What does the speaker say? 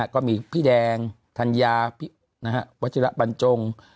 ก็มีพี่แดงธัญญาวัชิระบรรจง